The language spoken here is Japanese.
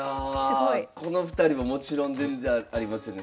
この２人ももちろん全然ありますよね。